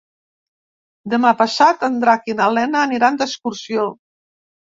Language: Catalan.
Demà passat en Drac i na Lena aniran d'excursió.